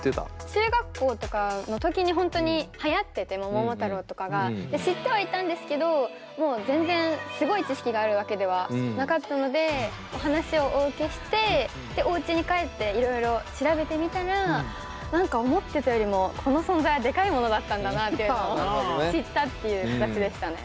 中学校とかの時に本当にはやってて「桃太郎」とかが。知ってはいたんですけどもう全然すごい知識があるわけではなかったのでお話をお受けしておうちに帰っていろいろ調べてみたら何か思ってたよりもこの存在はでかいものだったんだなっていうのを知ったっていう形でしたね。